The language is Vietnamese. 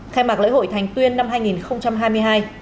khai mạc lễ hội thành tuyên năm hai nghìn hai mươi hai